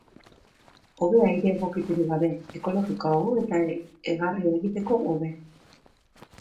Hobe aire egokiturik gabe, ekologikoago eta egarria egiteko hobe.